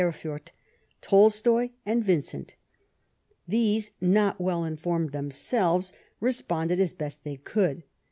Erfurt, Tolstoy and Vincent. These, not well Informed themselves, responded as best they could.